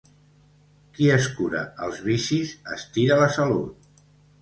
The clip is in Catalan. Qui es cura els vicis estira la salut.